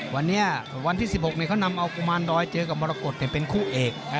วันที่๑๖มีนาคมนี้เขานำออกมารดรอยเจอกับมรกฏเป็นคู่เอก